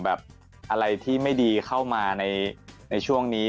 แบบอะไรที่ไม่ดีเข้ามาในช่วงนี้